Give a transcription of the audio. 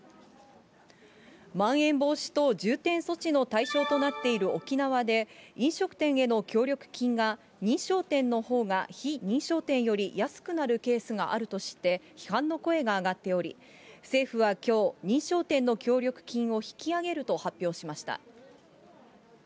まん延防止等重点措置の対象となっている沖縄で、飲食店への協力金が認証店のほうが非認証店より安くなるケースがあるとして、批判の声が上がっており、政府はきょう、認証店の協力金を引き上げると発表しました。